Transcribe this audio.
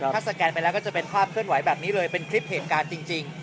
ถ้าสแกนไปแล้วก็จะเป็นภาพเคลื่อนไหวแบบนี้เลยเป็นคลิปเหตุการณ์จริง